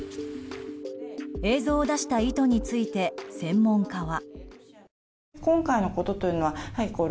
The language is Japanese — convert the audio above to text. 映像を出した意図について専門家は。